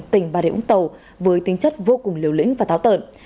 tình bà rịa úng tàu với tính chất vô cùng liều lĩnh và tháo tợn